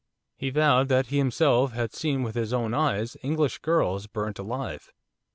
He vowed that he himself had seen with his own eyes, English girls burnt alive.